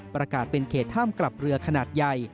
ประกาศเป็นเขตห้ามกลับเรือขนาดใหญ่